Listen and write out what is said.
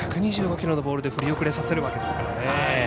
１２５キロのボールで振り遅れさせるわけですから。